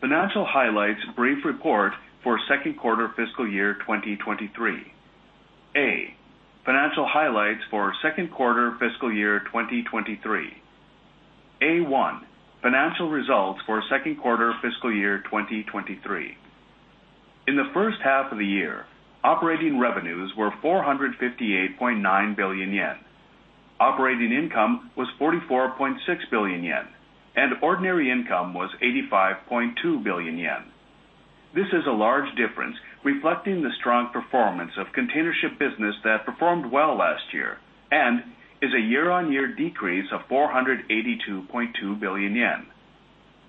Financial Highlights Brief Report for Second Quarter Fiscal Year 2023. A. Financial Highlights for Second Quarter Fiscal Year 2023. A1. Financial Results for Second Quarter Fiscal Year 2023. In the first half of the year, operating revenues were 458.9 billion yen. Operating income was 44.6 billion yen, and ordinary income was 85.2 billion yen. This is a large difference, reflecting the strong performance of container ship business that performed well last year and is a year-on-year decrease of 482.2 billion yen.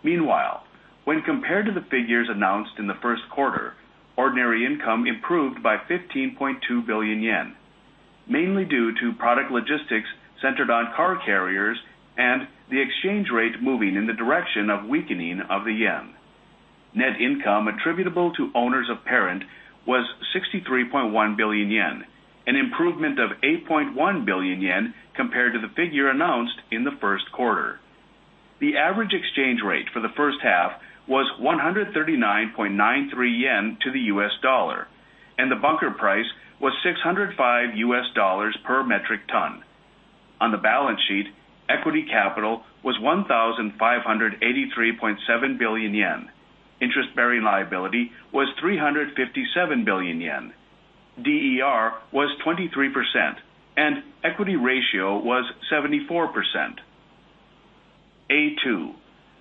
Meanwhile, when compared to the figures announced in the first quarter, ordinary income improved by 15.2 billion yen, mainly due to product logistics centered on car carriers and the exchange rate moving in the direction of weakening of the yen. Net income attributable to owners of parent was 63.1 billion yen, an improvement of 8.1 billion yen compared to the figure announced in the first quarter. The average exchange rate for the first half was 139.93 yen to the U.S. dollar, and the bunker price was U.S. $605 per metric ton. On the balance sheet, equity capital was 1,583.7 billion yen. Interest-bearing liability was 357 billion yen. DER was 23%, and equity ratio was 74%. A2,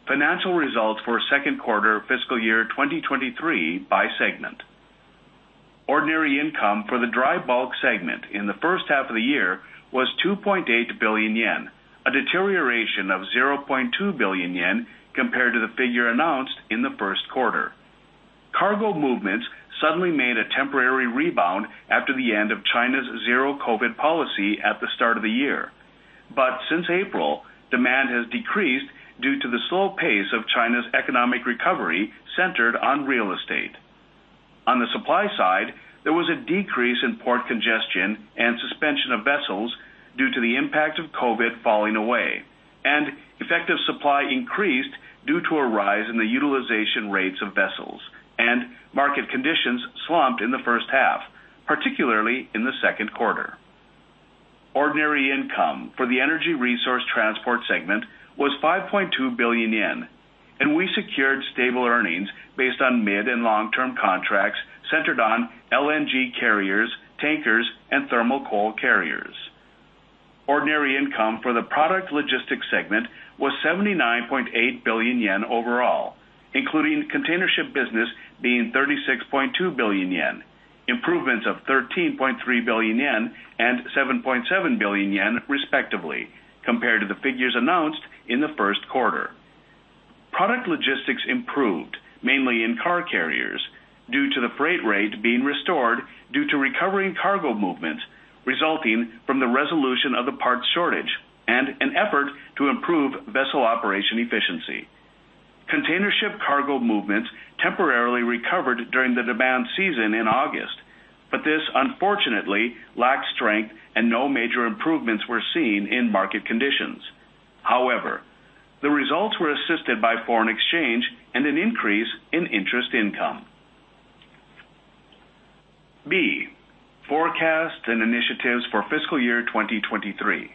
Financial Results for Second Quarter Fiscal Year 2023 by Segment. Ordinary income for the dry bulk segment in the first half of the year was 2.8 billion yen, a deterioration of 0.2 billion yen compared to the figure announced in the first quarter. Cargo movements suddenly made a temporary rebound after the end of China's zero COVID policy at the start of the year. But since April, demand has decreased due to the slow pace of China's economic recovery, centered on real estate. On the supply side, there was a decrease in port congestion and suspension of vessels due to the impact of COVID falling away, and effective supply increased due to a rise in the utilization rates of vessels, and market conditions slumped in the first half, particularly in the second quarter. Ordinary income for the energy resource transport segment was 5.2 billion yen, and we secured stable earnings based on mid and long-term contracts centered on LNG carriers, tankers, and thermal coal carriers. Ordinary income for the product logistics segment was 79.8 billion yen overall, including container ship business being 36.2 billion yen, improvements of 13.3 billion yen, and 7.7 billion yen, respectively, compared to the figures announced in the first quarter. Product logistics improved mainly in car carriers due to the freight rate being restored due to recovering cargo movements, resulting from the resolution of the parts shortage and an effort to improve vessel operation efficiency. Container ship cargo movements temporarily recovered during the demand season in August, but this unfortunately lacked strength and no major improvements were seen in market conditions. However, the results were assisted by foreign exchange and an increase in interest income. B, Forecasts and Initiatives for Fiscal Year 2023.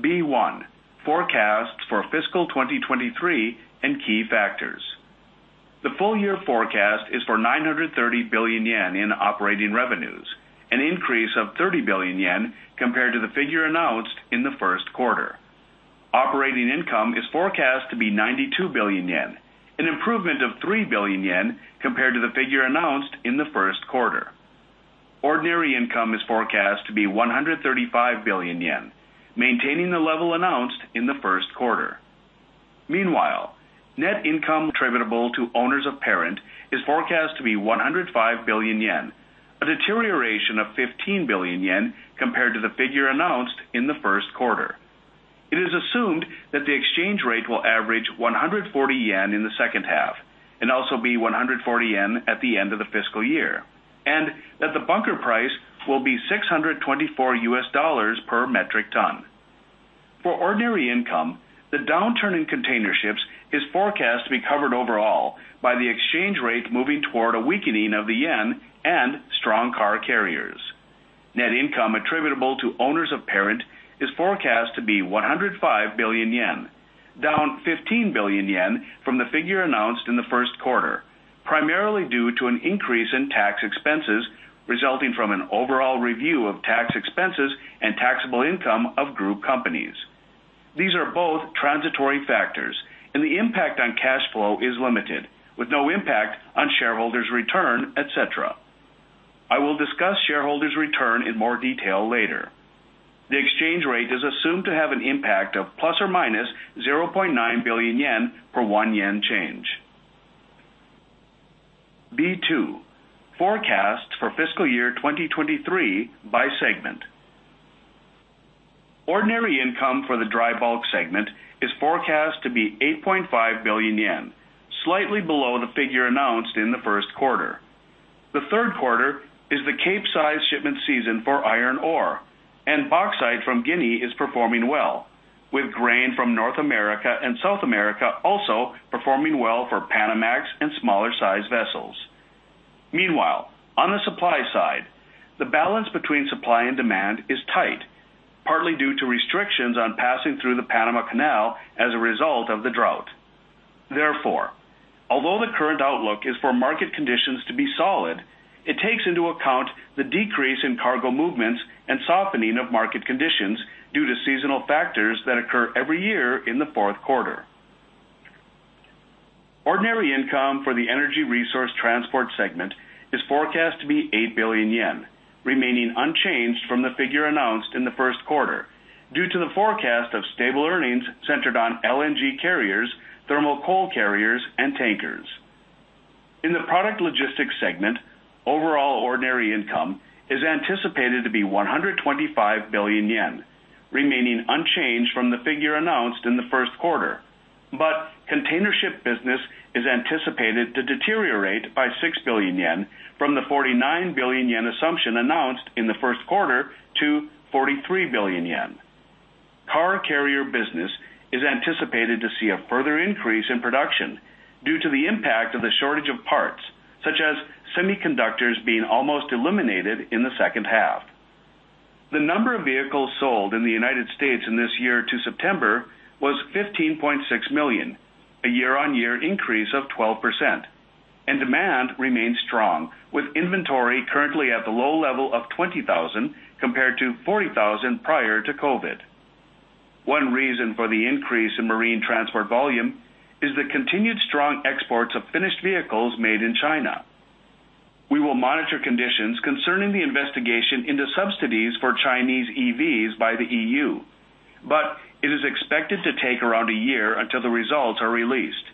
B1, Forecasts for Fiscal 2023 and Key Factors. The full year forecast is for 930 billion yen in operating revenues, an increase of 30 billion yen compared to the figure announced in the first quarter. Operating income is forecast to be 92 billion yen, an improvement of 3 billion yen compared to the figure announced in the first quarter. Ordinary income is forecast to be 135 billion yen, maintaining the level announced in the first quarter. Meanwhile, net income attributable to owners of parent is forecast to be 105 billion yen, a deterioration of 15 billion yen compared to the figure announced in the first quarter. It is assumed that the exchange rate will average 140 yen in the second half and also be 140 yen at the end of the fiscal year, and that the bunker price will be U.S. $624 per metric ton. For ordinary income, the downturn in container ships is forecast to be covered overall by the exchange rate moving toward a weakening of the yen and strong car carriers. Net income attributable to owners of parent is forecast to be 105 billion yen, down 15 billion yen from the figure announced in the first quarter, primarily due to an increase in tax expenses resulting from an overall review of tax expenses and taxable income of group companies. These are both transitory factors, and the impact on cash flow is limited, with no impact on shareholders' return, et cetera. I will discuss shareholders' return in more detail later. The exchange rate is assumed to have an impact of ±0.9 billion yen for 1 yen change. B2, Forecasts for Fiscal Year 2023 by Segment. Ordinary income for the dry bulk segment is forecast to be 8.5 billion yen, slightly below the figure announced in the first quarter. The third quarter is the Capesize shipment season for iron ore, and bauxite from Guinea is performing well, with grain from North America and South America also performing well for Panamax and smaller size vessels. Meanwhile, on the supply side, the balance between supply and demand is tight, partly due to restrictions on passing through the Panama Canal as a result of the drought. Therefore, although the current outlook is for market conditions to be solid, it takes into account the decrease in cargo movements and softening of market conditions due to seasonal factors that occur every year in the fourth quarter. Ordinary income for the energy resource transport segment is forecast to be 8 billion yen, remaining unchanged from the figure announced in the first quarter, due to the forecast of stable earnings centered on LNG carriers, thermal coal carriers, and tankers. In the product logistics segment, overall ordinary income is anticipated to be 125 billion yen, remaining unchanged from the figure announced in the first quarter. But container ship business is anticipated to deteriorate by 6 billion yen from the 49 billion yen assumption announced in the first quarter to 43 billion yen. Car carrier business is anticipated to see a further increase in production due to the impact of the shortage of parts, such as semiconductors being almost eliminated in the second half. The number of vehicles sold in the United States in this year to September was 15.6 million, a year-on-year increase of 12%, and demand remains strong, with inventory currently at the low level of 20,000, compared to 40,000 prior to COVID. One reason for the increase in marine transport volume is the continued strong exports of finished vehicles made in China. We will monitor conditions concerning the investigation into subsidies for Chinese EVs by the EU, but it is expected to take around a year until the results are released,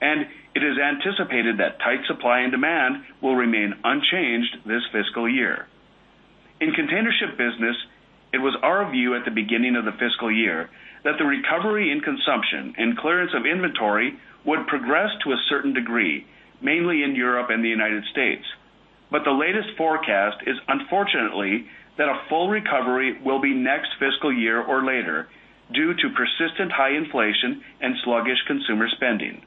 and it is anticipated that tight supply and demand will remain unchanged this fiscal year. In container ship business, it was our view at the beginning of the fiscal year that the recovery in consumption and clearance of inventory would progress to a certain degree, mainly in Europe and the United States. But the latest forecast is, unfortunately, that a full recovery will be next fiscal year or later due to persistent high inflation and sluggish consumer spending.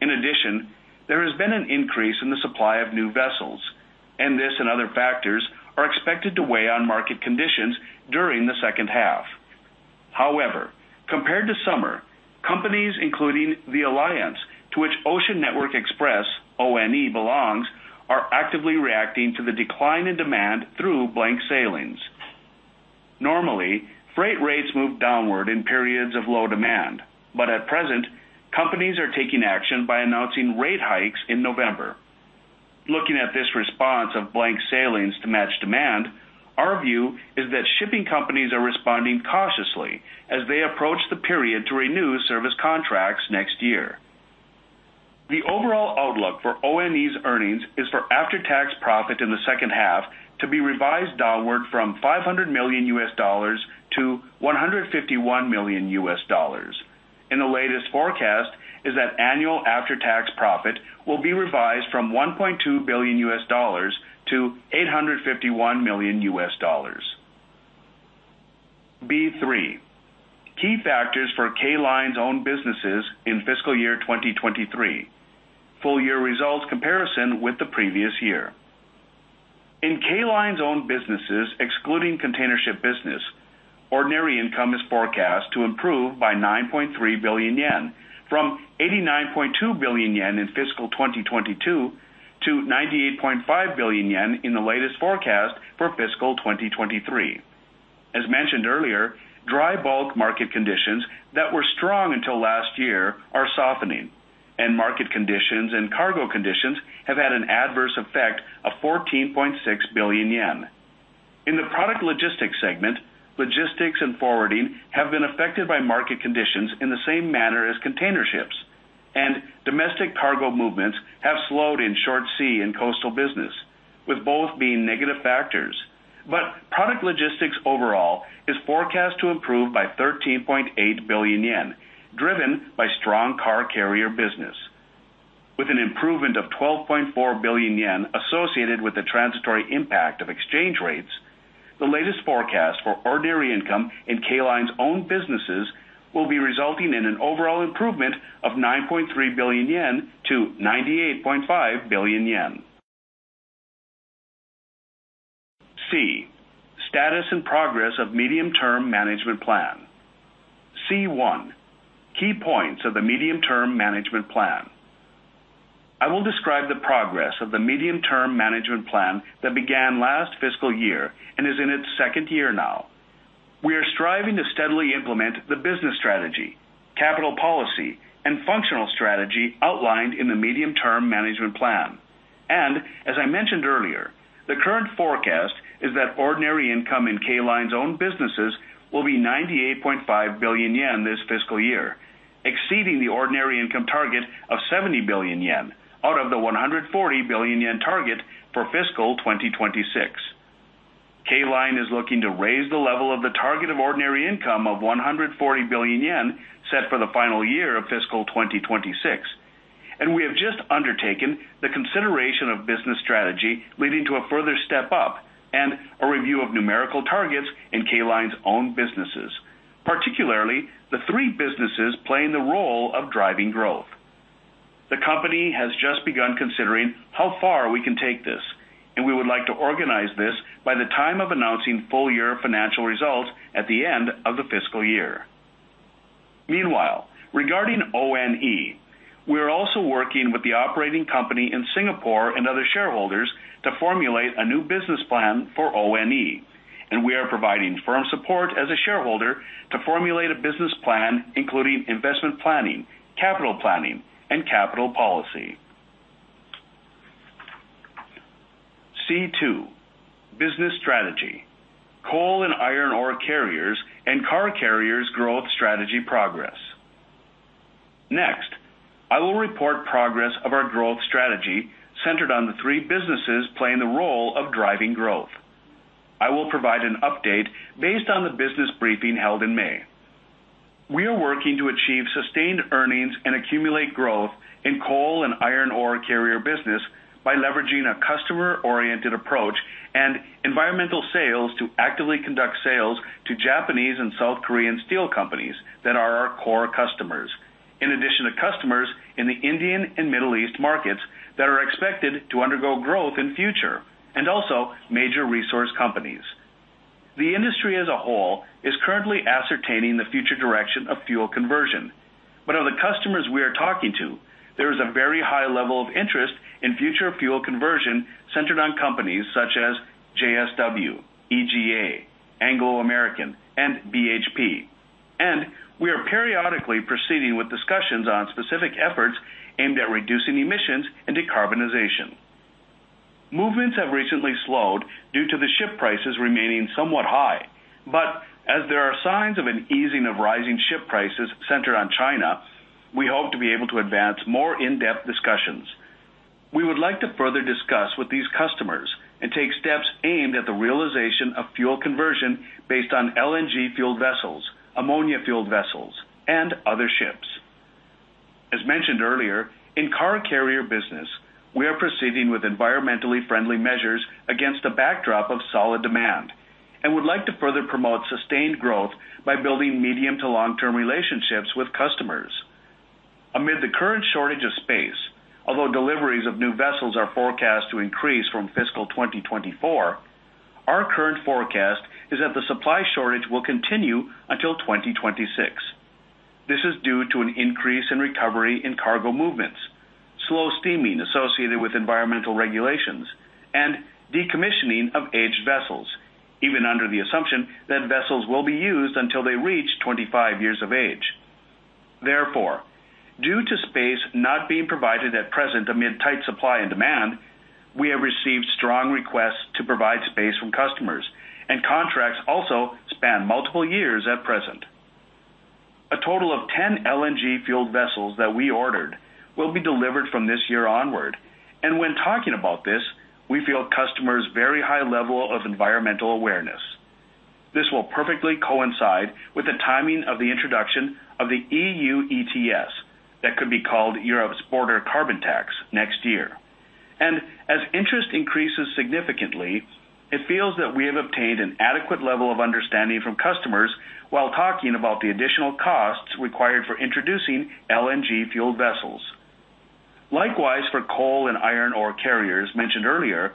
In addition, there has been an increase in the supply of new vessels, and this and other factors are expected to weigh on market conditions during the second half. However, compared to summer, companies, including THE Alliance, to which Ocean Network Express, ONE, belongs, are actively reacting to the decline in demand through blank sailings. Normally, freight rates move downward in periods of low demand, but at present, companies are taking action by announcing rate hikes in November. Looking at this response of blank sailings to match demand, our view is that shipping companies are responding cautiously as they approach the period to renew service contracts next year. The overall outlook for ONE's earnings is for after-tax profit in the second half to be revised downward from U.S. $500 million to U.S. $151 million, and the latest forecast is that annual after-tax profit will be revised from U.S. $1.2 billion to U.S. $851 million. B3. Key Factors for "K" LINE's Own Businesses in Fiscal Year 2023. Full year results comparison with the previous year. In "K" LINE's own businesses, excluding container ship business, ordinary income is forecast to improve by 9.3 billion yen, from 89.2 billion yen in fiscal 2022 to 98.5 billion yen in the latest forecast for fiscal 2023. As mentioned earlier, dry bulk market conditions that were strong until last year are softening, and market conditions and cargo conditions have had an adverse effect of 14.6 billion yen. In the product logistics segment, logistics and forwarding have been affected by market conditions in the same manner as container ships, and domestic cargo movements have slowed in short sea and coastal business, with both being negative factors. But product logistics overall is forecast to improve by 13.8 billion yen, driven by strong car carrier business. With an improvement of 12.4 billion yen associated with the transitory impact of exchange rates, the latest forecast for ordinary income in "K" LINE's own businesses will be resulting in an overall improvement of 9.3 billion yen to 98.5 billion yen. C, Status and Progress of Medium-term Management Plan. C1, Key Points of the Medium-term Management Plan. I will describe the progress of the medium-term management plan that began last fiscal year and is in its second year now. We are striving to steadily implement the business strategy, capital policy, and functional strategy outlined in the medium-term management plan. As I mentioned earlier, the current forecast is that ordinary income in "K" LINE's own businesses will be 98.5 billion yen this fiscal year, exceeding the ordinary income target of 70 billion yen, out of the 140 billion yen target for fiscal 2026. "K" LINE is looking to raise the level of the target of ordinary income of 140 billion yen, set for the final year of fiscal 2026, and we have just undertaken the consideration of business strategy, leading to a further step up and a review of numerical targets in "K" LINE's own businesses, particularly the three businesses playing the role of driving growth. The company has just begun considering how far we can take this, and we would like to organize this by the time of announcing full year financial results at the end of the fiscal year. Meanwhile, regarding ONE, we are also working with the operating company in Singapore and other shareholders to formulate a new business plan for ONE, and we are providing firm support as a shareholder to formulate a business plan, including investment planning, capital planning, and capital policy. C2: Business Strategy. Coal and iron ore carriers and car carriers growth strategy progress. Next, I will report progress of our growth strategy centered on the three businesses playing the role of driving growth. I will provide an update based on the business briefing held in May. We are working to achieve sustained earnings and accumulate growth in coal and iron ore carrier business by leveraging a customer-oriented approach and environmental sales to actively conduct sales to Japanese and South Korean steel companies that are our core customers, in addition to customers in the Indian and Middle East markets that are expected to undergo growth in future, and also major resource companies. The industry as a whole is currently ascertaining the future direction of fuel conversion, but of the customers we are talking to, there is a very high level of interest in future fuel conversion centered on companies such as JSW, EGA, Anglo American, and BHP. We are periodically proceeding with discussions on specific efforts aimed at reducing emissions and decarbonization. Movements have recently slowed due to the ship prices remaining somewhat high, but as there are signs of an easing of rising ship prices centered on China, we hope to be able to advance more in-depth discussions. We would like to further discuss with these customers and take steps aimed at the realization of fuel conversion based on LNG-fueled vessels, ammonia-fueled vessels, and other ships. As mentioned earlier, in car carrier business, we are proceeding with environmentally friendly measures against a backdrop of solid demand and would like to further promote sustained growth by building medium- to long-term relationships with customers. Amid the current shortage of space, although deliveries of new vessels are forecast to increase from fiscal 2024, our current forecast is that the supply shortage will continue until 2026. This is due to an increase in recovery in cargo movements, slow steaming associated with environmental regulations, and decommissioning of aged vessels, even under the assumption that vessels will be used until they reach 25 years of age. Therefore, due to space not being provided at present amid tight supply and demand, we have received strong requests to provide space from customers, and contracts also span multiple years at present. A total of 10 LNG fueled vessels that we ordered will be delivered from this year onward, and when talking about this, we feel customers' very high level of environmental awareness. This will perfectly coincide with the timing of the introduction of the EU ETS, that could be called Europe's Border Carbon Tax, next year. As interest increases significantly, it feels that we have obtained an adequate level of understanding from customers while talking about the additional costs required for introducing LNG-fueled vessels. Likewise, for coal and iron ore carriers mentioned earlier,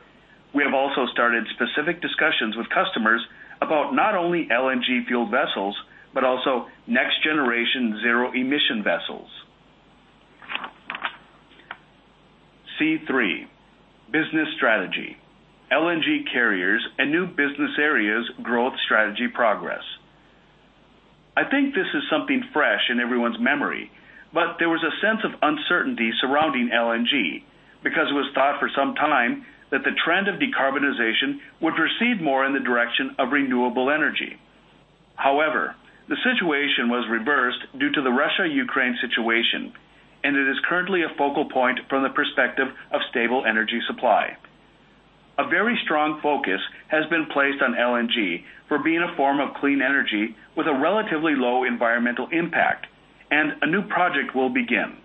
we have also started specific discussions with customers about not only LNG-fueled vessels, but also next generation zero emission vessels. C3: Business Strategy. LNG carriers and new business areas growth strategy progress. I think this is something fresh in everyone's memory, but there was a sense of uncertainty surrounding LNG because it was thought for some time that the trend of decarbonization would proceed more in the direction of renewable energy. However, the situation was reversed due to the Russia-Ukraine situation, and it is currently a focal point from the perspective of stable energy supply. A very strong focus has been placed on LNG for being a form of clean energy with a relatively low environmental impact, and a new project will begin.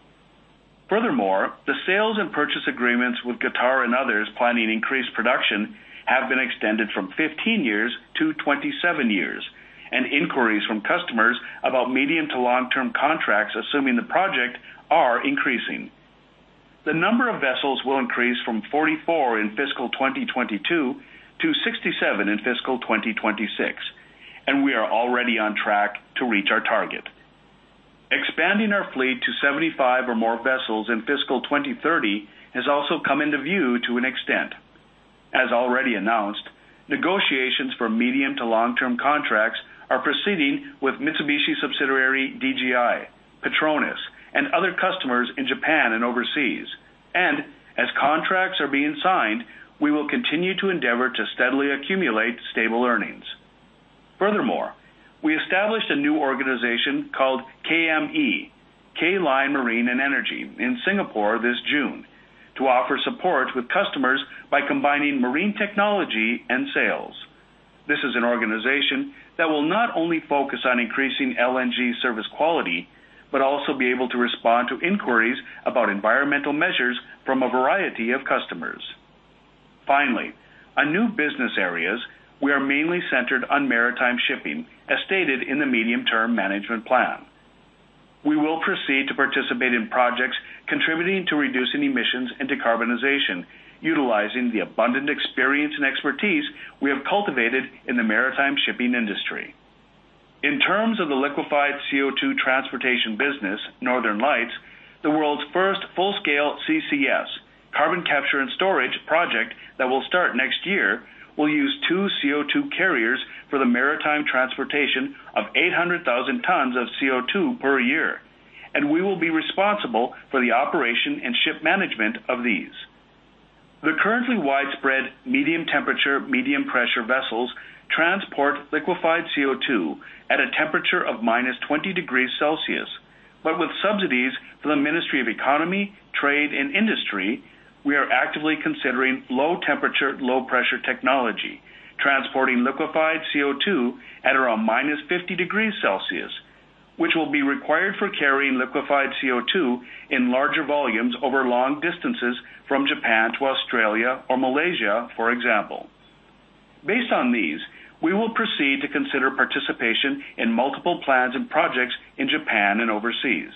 Furthermore, the sales and purchase agreements with Qatar and others planning increased production have been extended from 15 years to 27 years, and inquiries from customers about medium to long-term contracts, assuming the project, are increasing. The number of vessels will increase from 44 in fiscal 2022 to 67 in fiscal 2026, and we are already on track to reach our target. Expanding our fleet to 75 or more vessels in fiscal 2030 has also come into view to an extent. As already announced, negotiations for medium to long-term contracts are proceeding with Mitsubishi subsidiary DGI, PETRONAS, and other customers in Japan and overseas, and as contracts are being signed, we will continue to endeavor to steadily accumulate stable earnings. Furthermore, we established a new organization called KME, "K" LINE Marine & Energy, in Singapore this June, to offer support with customers by combining marine technology and sales. This is an organization that will not only focus on increasing LNG service quality, but also be able to respond to inquiries about environmental measures from a variety of customers. Finally, on new business areas, we are mainly centered on maritime shipping, as stated in the medium-term management plan. We will proceed to participate in projects contributing to reducing emissions and decarbonization, utilizing the abundant experience and expertise we have cultivated in the maritime shipping industry. In terms of the liquefied CO2 transportation business, Northern Lights, the world's first full-scale CCS, carbon capture and storage, project that will start next year, will use two CO2 carriers for the maritime transportation of 800,000 tons of CO2 per year, and we will be responsible for the operation and ship management of these. The currently widespread medium temperature, medium pressure vessels transport liquefied CO2 at a temperature of -20 degrees Celsius, but with subsidies from the Ministry of Economy, Trade and Industry, we are actively considering low temperature, low pressure technology, transporting liquefied CO2 at around -50 degrees Celsius, which will be required for carrying liquefied CO2 in larger volumes over long distances from Japan to Australia or Malaysia, for example. Based on these, we will proceed to consider participation in multiple plans and projects in Japan and overseas.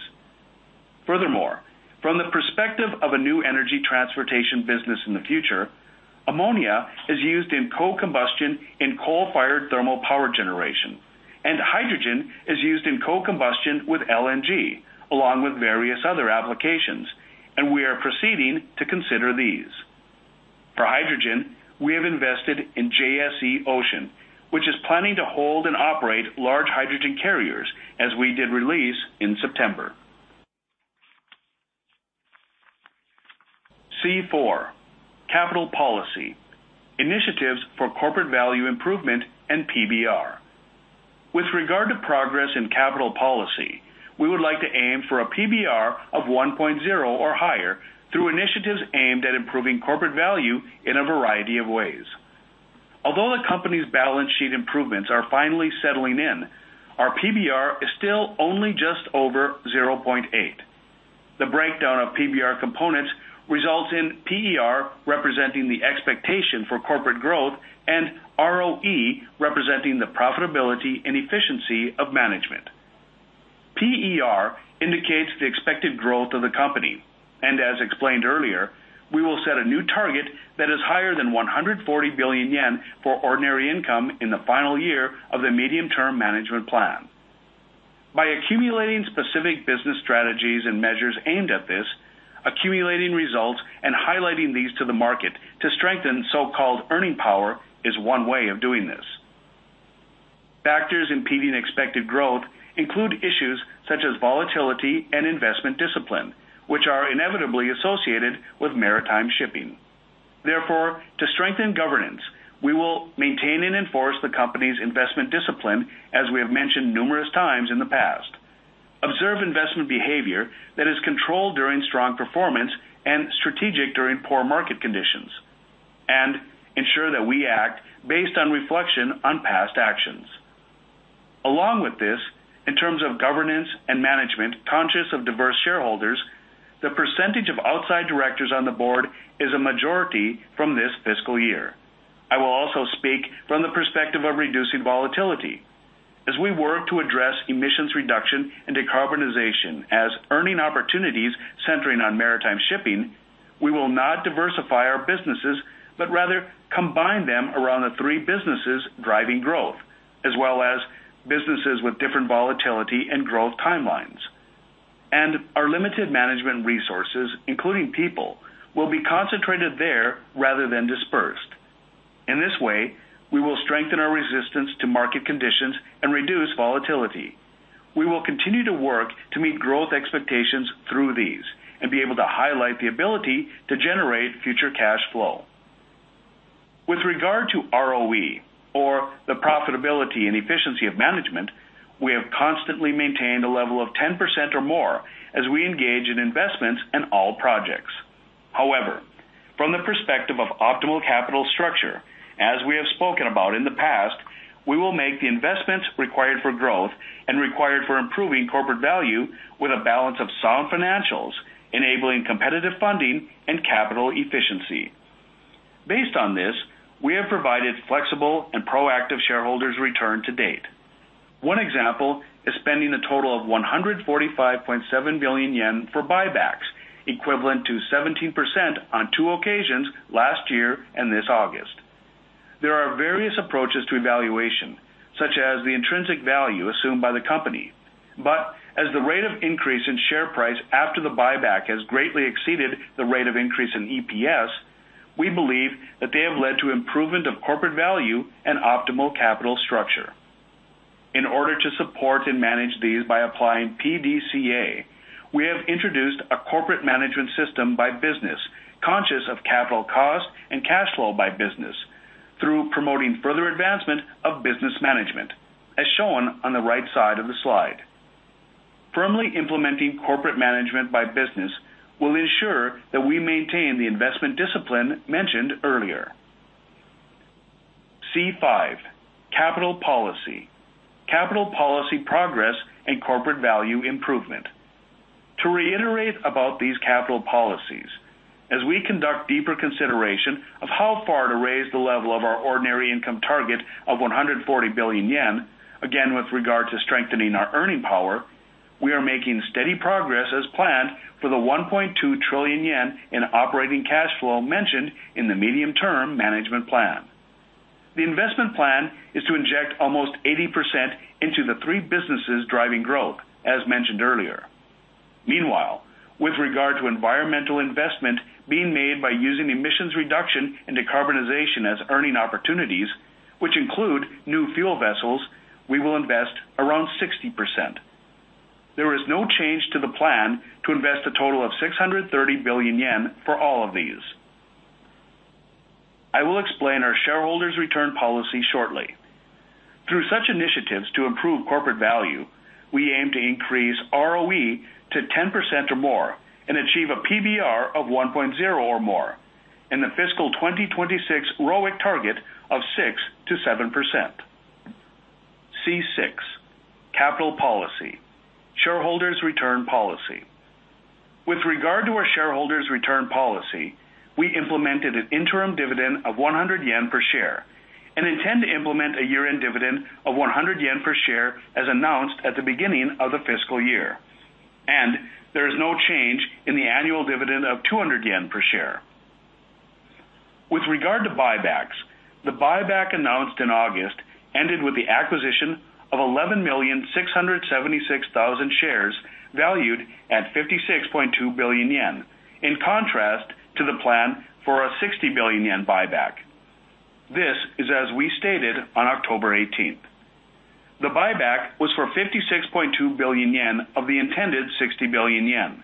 Furthermore, from the perspective of a new energy transportation business in the future, ammonia is used in co-combustion in coal-fired thermal power generation, and hydrogen is used in co-combustion with LNG, along with various other applications, and we are proceeding to consider these. For hydrogen, we have invested in JSE Ocean, which is planning to hold and operate large hydrogen carriers, as we did release in September. C4, Capital Policy: Initiatives for Corporate Value Improvement and PBR. With regard to progress in capital policy, we would like to aim for a PBR of 1.0 or higher through initiatives aimed at improving corporate value in a variety of ways. Although the company's balance sheet improvements are finally settling in, our PBR is still only just over 0.8. The breakdown of PBR components results in PER representing the expectation for corporate growth and ROE representing the profitability and efficiency of management. PER indicates the expected growth of the company, and as explained earlier, we will set a new target that is higher than 140 billion yen for ordinary income in the final year of the medium-term management plan. By accumulating specific business strategies and measures aimed at this, accumulating results and highlighting these to the market to strengthen so-called earning power is one way of doing this. Factors impeding expected growth include issues such as volatility and investment discipline, which are inevitably associated with maritime shipping. Therefore, to strengthen governance, we will maintain and enforce the company's investment discipline, as we have mentioned numerous times in the past, observe investment behavior that is controlled during strong performance and strategic during poor market conditions, and ensure that we act based on reflection on past actions. Along with this, in terms of governance and management, conscious of diverse shareholders, the percentage of outside directors on the board is a majority from this fiscal year. I will also speak from the perspective of reducing volatility. As we work to address emissions reduction and decarbonization as earning opportunities centering on maritime shipping, we will not diversify our businesses, but rather combine them around the three businesses driving growth, as well as businesses with different volatility and growth timelines. Our limited management resources, including people, will be concentrated there rather than dispersed. In this way, we will strengthen our resistance to market conditions and reduce volatility. We will continue to work to meet growth expectations through these and be able to highlight the ability to generate future cash flow. With regard to ROE, or the profitability and efficiency of management, we have constantly maintained a level of 10% or more as we engage in investments in all projects. However, from the perspective of optimal capital structure, as we have spoken about in the past, we will make the investments required for growth and required for improving corporate value with a balance of sound financials, enabling competitive funding and capital efficiency. Based on this, we have provided flexible and proactive shareholders return to date. One example is spending a total of 145.7 billion yen for buybacks, equivalent to 17% on two occasions last year and this August. There are various approaches to evaluation, such as the intrinsic value assumed by the company. But as the rate of increase in share price after the buyback has greatly exceeded the rate of increase in EPS, we believe that they have led to improvement of corporate value and optimal capital structure. In order to support and manage these by applying PDCA, we have introduced a corporate management system by business, conscious of capital cost and cash flow by business, through promoting further advancement of business management, as shown on the right side of the slide. Firmly implementing corporate management by business will ensure that we maintain the investment discipline mentioned earlier. C5, Capital Policy. Capital policy progress and corporate value improvement. To reiterate about these capital policies, as we conduct deeper consideration of how far to raise the level of our ordinary income target of 140 billion yen, again, with regard to strengthening our earning power, we are making steady progress as planned for the 1.2 trillion yen in operating cash flow mentioned in the medium-term management plan. The investment plan is to inject almost 80% into the three businesses driving growth, as mentioned earlier. Meanwhile, with regard to environmental investment being made by using emissions reduction and decarbonization as earning opportunities, which include new fuel vessels, we will invest around 60%. There is no change to the plan to invest a total of 630 billion yen for all of these. I will explain our shareholders return policy shortly. Through such initiatives to improve corporate value, we aim to increase ROE to 10% or more and achieve a PBR of 1.0 or more, and the fiscal 2026 ROIC target of 6%-7%. C6, Capital Policy. Shareholders' return policy. With regard to our shareholders' return policy, we implemented an interim dividend of 100 yen per share, and intend to implement a year-end dividend of 100 yen per share, as announced at the beginning of the fiscal year. There is no change in the annual dividend of 200 yen per share. With regard to buybacks, the buyback announced in August ended with the acquisition of 11,676,000 shares, valued at 56.2 billion yen, in contrast to the plan for a 60 billion yen buyback. This is, as we stated on October 18th. The buyback was for 56.2 billion yen of the intended 60 billion yen.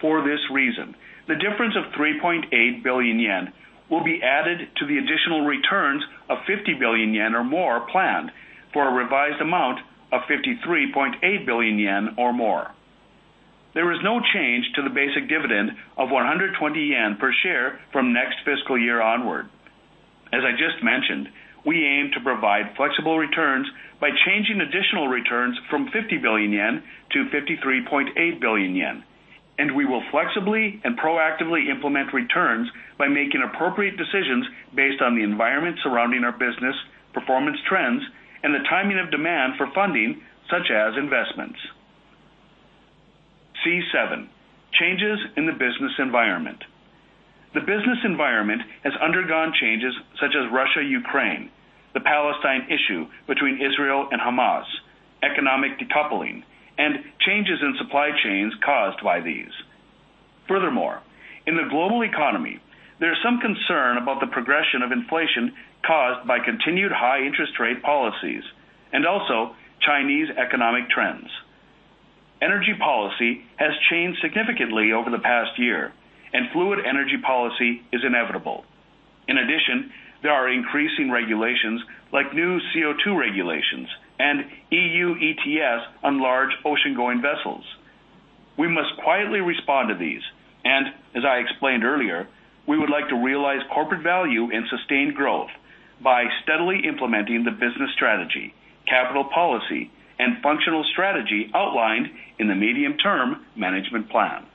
For this reason, the difference of 3.8 billion yen will be added to the additional returns of 50 billion yen or more planned for a revised amount of 53.8 billion yen or more. There is no change to the basic dividend of 120 yen per share from next fiscal year onward. As I just mentioned, we aim to provide flexible returns by changing additional returns from 50 billion yen to 53.8 billion yen, and we will flexibly and proactively implement returns by making appropriate decisions based on the environment surrounding our business, performance trends, and the timing of demand for funding, such as investments. C7, Changes in the Business Environment. The business environment has undergone changes such as Russia-Ukraine, the Palestine issue between Israel and Hamas, economic decoupling, and changes in supply chains caused by these. Furthermore, in the global economy, there is some concern about the progression of inflation caused by continued high interest rate policies and also Chinese economic trends. Energy policy has changed significantly over the past year, and fluid energy policy is inevitable. In addition, there are increasing regulations like new CO₂ regulations and EU ETS on large ocean-going vessels. We must quietly respond to these, and as I explained earlier, we would like to realize corporate value and sustained growth by steadily implementing the business strategy, capital policy and functional strategy outlined in the medium-term management plan.